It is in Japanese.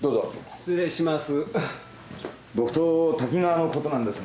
失礼します。